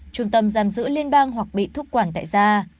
trung tâm giam giữ liên bang hoặc bị thúc quản tại da